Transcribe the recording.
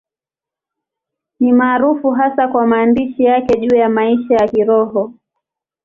Ni maarufu hasa kwa maandishi yake juu ya maisha ya Kiroho.